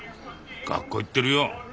学校行ってるよ。